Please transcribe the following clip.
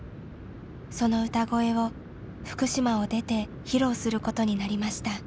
その歌声を福島を出て披露することになりました。